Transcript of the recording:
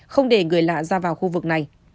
không để người lạ ra vào khu vực này